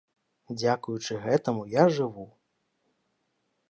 Дзякуючы гэтаму я жыву.